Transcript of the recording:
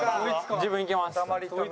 自分いけます。